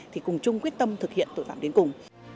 thì cùng chung quyết tâm thực hiện tội phạm đến cùng